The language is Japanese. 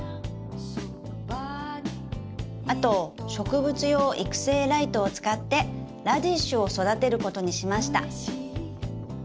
あと植物用育成ライトを使ってラディッシュを育てることにしました！」。